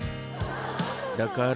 だから